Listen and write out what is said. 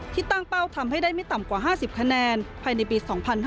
ตั้งเป้าทำให้ได้ไม่ต่ำกว่า๕๐คะแนนภายในปี๒๕๕๙